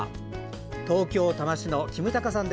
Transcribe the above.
東京・多摩市のキムタカさん。